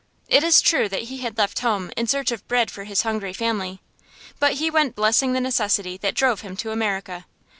It is true that he had left home in search of bread for his hungry family, but he went blessing the necessity that drove him to America.